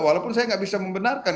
walaupun saya nggak bisa membenarkan